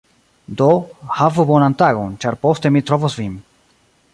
Do, havu bonan tagon, ĉar poste mi trovos vin.